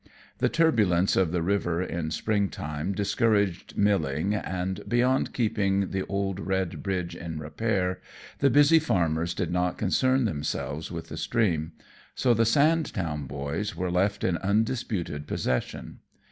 The turbulence of the river in spring time discouraged milling, and, beyond keeping the old red bridge in repair, the busy farmers did not concern themselves with the stream; so the Sandtown boys were left in undisputed possession.